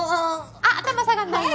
あっ頭下がらないよ。